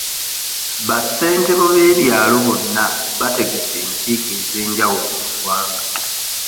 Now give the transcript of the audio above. Ba ssentebe b'ebyalo bonna bategese enkiiko ez'enjawulo mu ggwanga.